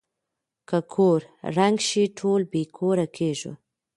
که کور ړنګ شي ټول بې کوره کيږو.